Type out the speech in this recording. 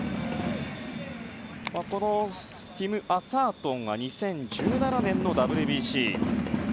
このアサートンは２０１７年のＷＢＣ。